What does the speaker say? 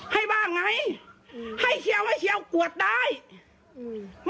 ให้บ้างไงให้เคี้ยวให้เคี้ยวกวดได้อืม